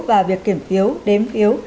và việc kiểm phiếu đếm phiếu